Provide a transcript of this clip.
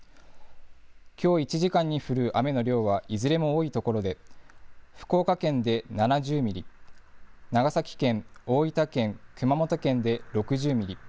きょう１時間に降る雨の量は、いずれも多い所で、福岡県で７０ミリ、長崎県、大分県、熊本県で６０ミリ。